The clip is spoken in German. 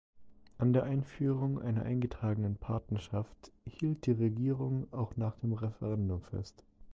An der Einführung einer Eingetragenen Partnerschaft hielt die Regierung auch nach dem Referendum fest.